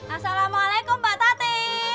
assalamualaikum mbak tati